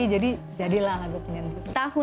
jadi jadilah lah gue pengen gitu